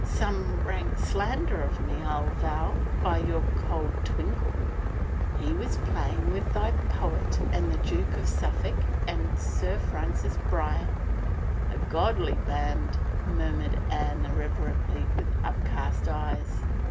Some rank slander of me, I'll vow, by your cold twinkle." " He was playing with thy poet and the Duke of Suffolk and Sir Francis Bryan —"" A godly band I " murmured Anne irreverently, with upcast eyes.